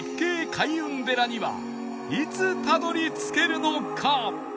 開運寺にはいつたどり着けるのか？